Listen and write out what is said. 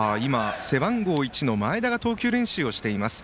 背番号１の前田が投球練習をしています。